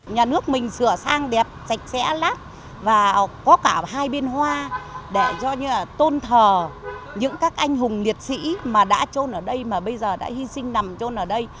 nhà nước mình sửa sang đẹp sạch sẽ lát và có cả hai biên hoa để cho như là tôn thờ những các anh hùng liệt sĩ mà đã trôn ở đây mà bây giờ đã hy sinh nằm trôn ở đây